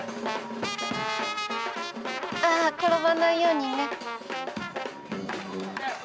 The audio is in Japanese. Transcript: あっ転ばないようにね。